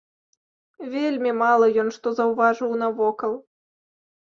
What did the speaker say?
Вельмі мала ён што заўважыў навокал.